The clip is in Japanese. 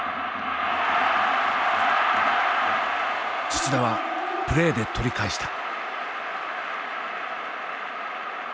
土田はプレーで取り返した。